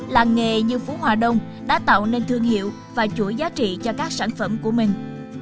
làng nghề như phú hòa đông đã tạo nên thương hiệu và chuỗi giá trị cho các sản phẩm của mình